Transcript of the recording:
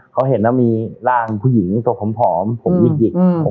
เขาเห็นว่ามีร่างผู้หญิงตัวผอมผมหยิก